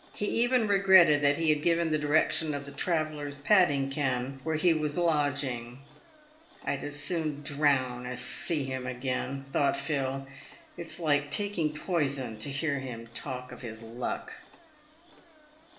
He even regretted that he had given the direction of the travellers' padding ken where he was lodging. " I'd as soon drown as see him again," thought Phil. " It's like taking poison to hear him talk of his luck."